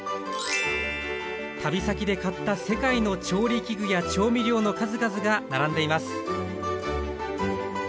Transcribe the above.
旅先で買った世界の調理器具や調味料の数々が並んでいます